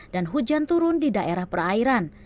dan hujan turun di daerah perairan